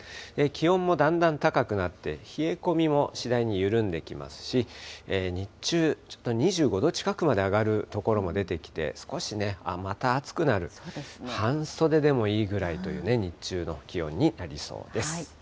気温もだんだん高くなって、冷え込みも次第に緩んできますし、日中、ちょっと２５度近くまで上がる所も出てきて、少しまた暑くなる、半袖でもいいぐらいという、日中の気温になりそうです。